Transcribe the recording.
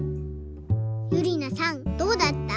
ゆりなさんどうだった？